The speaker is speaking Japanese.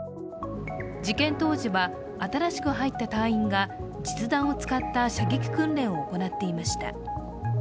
事件当時は、新しく入った隊員が実弾を使った射撃訓練を行っていました。